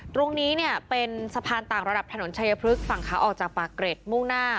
ตรงนี้เนี่ยเป็นสะพานต่างระดับถนนชายพลึกฝั่งขาออกจากปากเกร็ดมุ่งหน้า